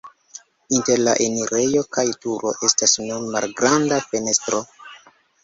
Inter la enirejo kaj turo estas nur malgranda fenestro.